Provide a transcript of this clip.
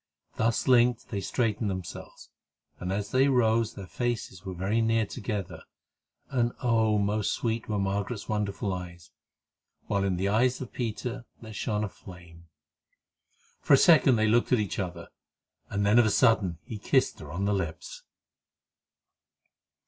Thus linked they straightened themselves, and as they rose their faces were very near together and oh! most sweet were Margaret's wonderful eyes; while in the eyes of Peter there shone a flame. For a second they looked at each other, and then of a sudden he kissed her on the lips.